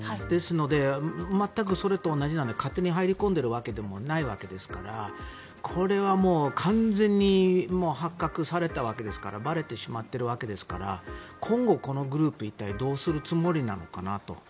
ですので、全くそれと同じなので勝手に入り込んでいるわけでもないわけですからこれは完全に発覚されたわけですからばれてしまっているわけですから今後、このグループは一体どうするつもりなのかなと。